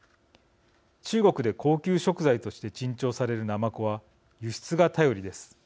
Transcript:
中国で高級食材として珍重されるなまこは輸出が頼りです。